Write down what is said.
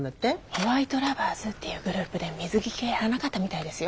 ホワイトラバーズっていうグループで水着系やらなかったみたいですよ。